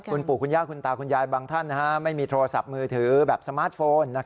คุณปู่คุณย่าคุณตาคุณยายบางท่านไม่มีโทรศัพท์มือถือแบบสมาร์ทโฟน